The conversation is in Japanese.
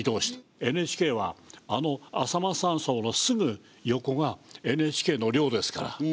ＮＨＫはあのあさま山荘のすぐ横がＮＨＫの寮ですから。